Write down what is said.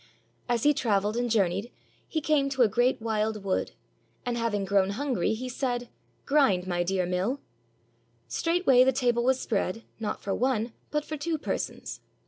As he traveled and journeyed, he came to a great wild wood; and having grown hungry, he said, "Grind, my 392 THE KING OF THE CROWS dear mill." Straightway the table was spread, not for one, but for two persons.